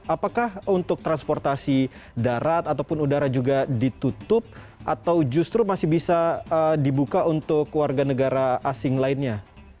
apakah untuk transportasi darat ataupun udara juga ditutup atau justru masih bisa dibuka untuk warga negara asing lainnya